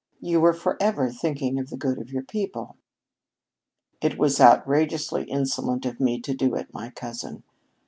You were forever thinking of the good of your people." "It was outrageously insolent of me to do it, my cousin.